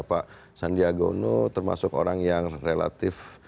pak sandiaga uno termasuk orang yang relatif